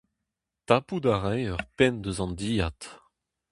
Tapout a rae ur penn eus an dilhad.